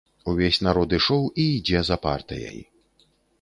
Увесь народ ішоў і ідзе за партыяй.